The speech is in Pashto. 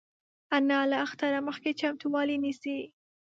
انا له اختره مخکې چمتووالی نیسي